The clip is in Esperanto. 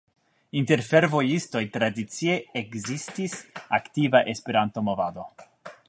Inter fervojistoj tradicie ekzistis aktiva Esperanto-movado.